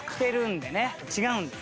違うんです